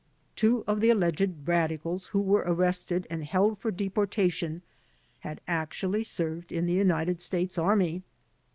Two of the alleged radicals who were arrested and held for deportation had actually served in the United States Army.